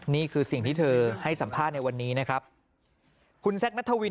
นี่คือสิ่งที่เธอให้สัมภาษณ์ในวันนี้นะครับคุณแซคนัทวิน